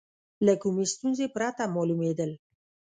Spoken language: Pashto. له کومې ستونزې پرته معلومېدل.